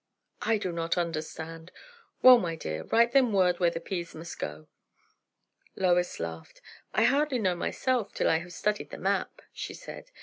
"I do not understand! Well, my dear, write them word where the peas must go." Lois laughed again. "I hardly know myself, till I have studied the map," she said.